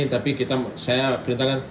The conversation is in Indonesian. tapi saya perintahkan